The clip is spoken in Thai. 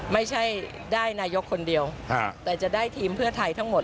ไม่ใช่ได้นายกคนเดียวแต่จะได้ทีมเพื่อไทยทั้งหมด